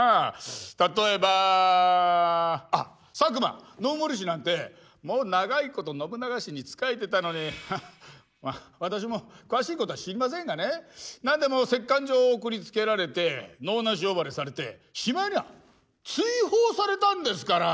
例えばあっ佐久間信盛氏なんてもう長いこと信長氏に仕えてたのに私も詳しいことは知りませんがね何でも折かん状を送りつけられて能なし呼ばわりされてしまいには追放されたんですから！